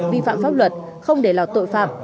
vi phạm pháp luật không để là tội phạm